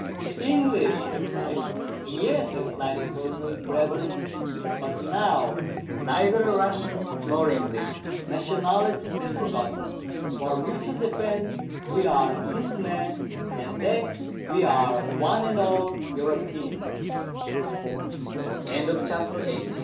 "The English !" he cried. " Yes," replied the Colonel gravely; "but now neither Russian nor English. Nationalities be forgotten ; for mutual defence we are kinsmen, in that we are one and all Europeans 1" The English come to th